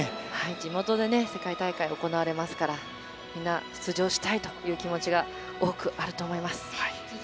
地元で世界大会が行われますから、みんな出場したいという気持ちが多くあると思います。